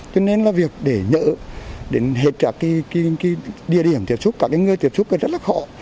cho nên là việc để nhỡ để hệt trạc cái địa điểm tiếp xúc cả cái người tiếp xúc thì rất là khó